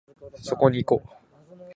そこいこ